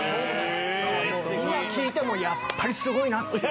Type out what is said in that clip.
今聴いてもやっぱりすごいなっていう。